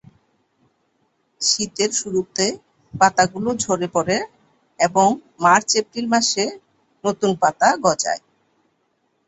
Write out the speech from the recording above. শীতের শুরুতে পাতাগুলো ঝরে পড়ে এবং মার্চ-এপ্রিল মাসে নতুন পাতা গজায়।